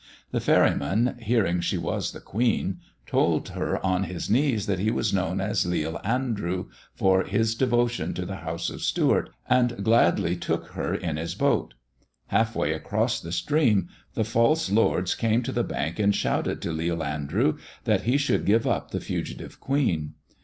The ferryman, hearing she was the Queen, told her on his knees that he was known as Leal Andrew for his devotion to the House of Stewart, and gladly took her in his boat. Half way across the stream, the false lords came to the bank and shouted to Leal Andrew that he should give up the fugitive Queen.